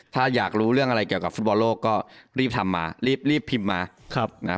ถ้าอยากรู้เรื่องอะไรเกี่ยวกับฟุตบอลโลกก็รีบทำมารีบพิมพ์มา